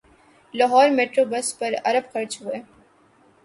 Lahore metro bus پر ارب خرچ ہوئے